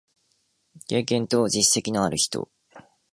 経験と実績のある人